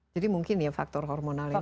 jadi mungkin ya faktor hormonal ini